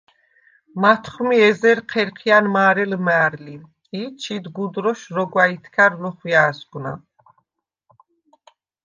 მათხვმი ეზერ ჴერჴია̈ნ მა̄რე ლჷმა̄̈რლი ი ჩიდ გუდროშ როგვა̈ ითქა̈რ ლოხვია̄̈სგვნა.